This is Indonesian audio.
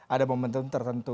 ada momentum tertentu